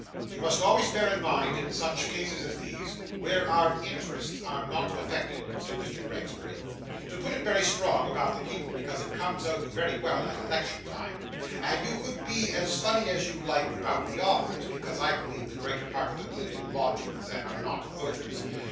'You must always bear in mind, in such cases as this, where our interests are not affected,' said Mr. Gregsbury, 'to put it very strong about the people, because it comes out very well at election time; and you could be as funny as you liked about the authors; because I believe the greater part of them live in lodgings, and are not voters.